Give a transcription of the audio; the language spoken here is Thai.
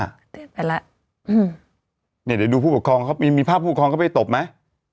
เต้นไปแล้วอืมเนี่ยเดี๋ยวดูผู้ปกครองเขามีมีภาพผู้ครองเข้าไปตบไหม